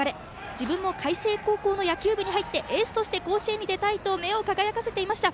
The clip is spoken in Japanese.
自分も海星高校に野球部に入ってエースとして甲子園に出たいと目を輝かせていました。